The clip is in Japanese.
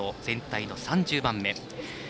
全体の３０番目。